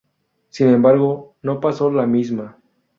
Sin embargo, no pasó la misma.